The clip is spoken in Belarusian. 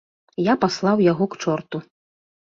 Я паслаў яго к чорту.